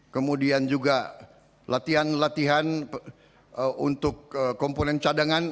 kemudian juga latihan latihan untuk komponen cadangan